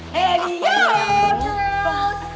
hey ya tuhan